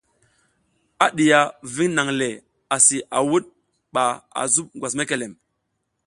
A diya ving nang le asi a wuɗ ɓa a zuɓ ngwas mekelem.